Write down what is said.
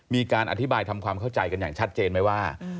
มีการอธิบายทำความเข้าใจกันอย่างชัดเจนไหมว่า